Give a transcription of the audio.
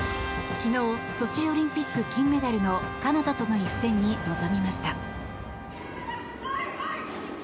昨日ソチオリンピック金メダルのカナダとの一戦に臨みました。